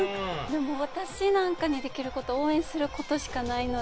私なんかにできることは応援することしかないので。